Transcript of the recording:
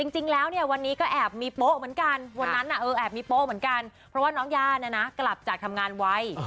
จริงแล้ววันนี้ก็แอบมีโปะเหมือนกันเพราะว่าน้องย่านั้นนากลับจัดทำงานไว้